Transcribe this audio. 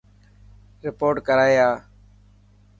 رپورٽ ڪري آءِ.